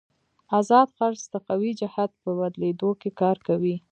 ازاد څرخ د قوې جهت په بدلېدو کې کار کوي.